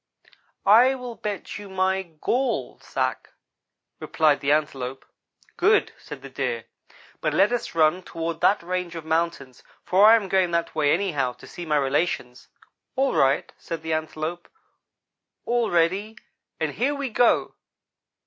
"'I will bet you my gall sack,' replied the Antelope. "'Good,' said the Deer, 'but let us run toward that range of mountains, for I am going that way, anyhow, to see my relations.' "'All right,' said the Antelope. 'All ready, and here we go.'